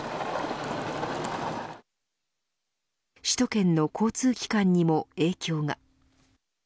首都圏の交通機関にも影響が。